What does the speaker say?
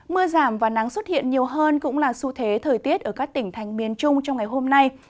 mưa giảm và nắng xuất hiện nhiều hơn cũng là xu thế thời tiết ở các tỉnh thành miền trung trong ngày hôm nay